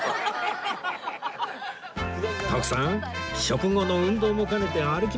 徳さん食後の運動も兼ねて歩きましょう